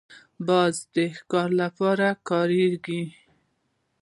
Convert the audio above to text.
باز د ښکار لپاره کارېږي